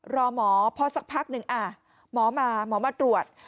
รอหมอพอสักพักหนึ่งหมอมาหมอมาตรวจ